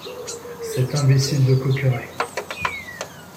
Cet imbécile de Coqueret !